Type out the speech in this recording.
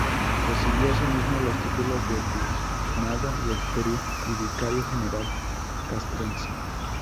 Recibió asimismo los títulos de Primado del Perú y Vicario General Castrense.